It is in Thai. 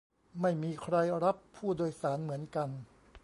ไม่มีใครรับผู้โดยสารเหมือนกัน